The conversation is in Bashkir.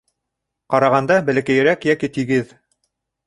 Ҡарағанда бәләкәйерәк йәки тигеҙ